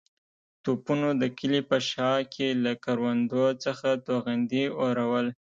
توپونو د کلي په شا کې له کروندو څخه توغندي اورول.